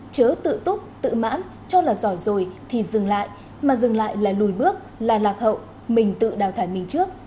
chớ tự túc tự mãn cho là giỏi rồi thì dừng lại mà dừng lại là lùi bước là lạc hậu mình tự đào thải mình trước